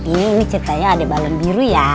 ini ceritanya adik balon biru ya